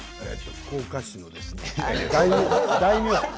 福岡市のですね、大名。